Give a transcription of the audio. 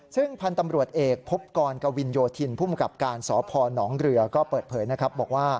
ซึ่งพันธ์ตำรวจเอกภพกรกวินโยธินผู้มงับการศพหนองเรือก็เปิดเผยนะครับ